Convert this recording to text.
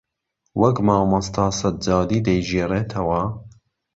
وەک مامۆستا سەجادی دەیگێڕێتەوە